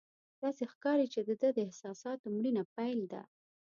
داسې ښکاري چې د ده د احساساتو مړینه پیل ده.